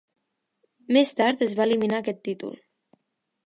Més tard, es va eliminar aquest títol.